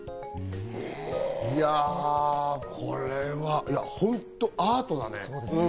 これは本当アートだね。